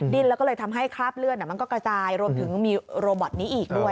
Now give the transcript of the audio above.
ดิ้นแล้วก็เลยทำให้คราบเลือดมันก็กระจายรวมถึงมีโรบอตนี้อีกด้วย